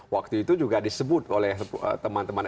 waktu itu juga disebut oleh teman teman